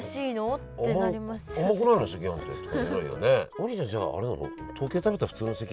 王林ちゃんじゃああれなの？